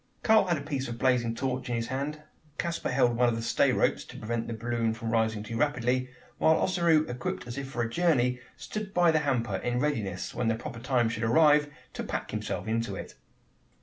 Karl had a piece of blazing torch in his hand; Caspar held one of the stay ropes, to prevent the balloon from rising too rapidly; while Ossaroo, equipped as if for a journey, stood by the hamper, in readiness, when the proper time should arrive, to "pack" himself into it.